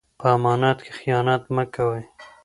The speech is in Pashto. په امانت کې خیانت مه کوئ.